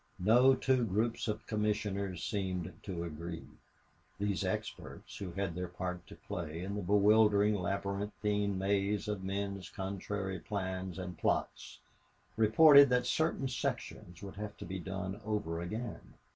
No two groups of commissioners seemed to agree. These experts, who had their part to play in the bewildering and labyrinthine maze of men's contrary plans and plots, reported that certain sections would have to be done over again.